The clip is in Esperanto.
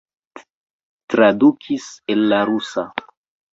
Tradukis el la rusa.